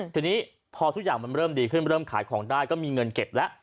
ทีนี้พอทุกอย่างมันเริ่มดีขึ้นเริ่มขายของได้ก็มีเงินเก็บแล้ว